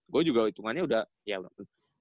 gue juga hitungannya udah ya udah